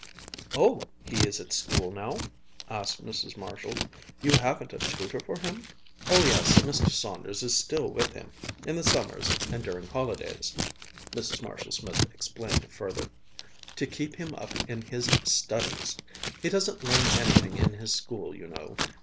"Oh, he is at school now?" asked Mrs. Marshall. "You haven't a tutor for him?" "Oh yes, Mr. Saunders is still with him in the summers and during holidays." Mrs. Marshall Smith explained further: "To keep him up in his studies. He doesn't learn anything in his school, you know.